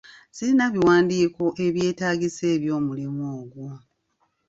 Sirina biwandiiko byetaagisa eby'omulimu ogwo.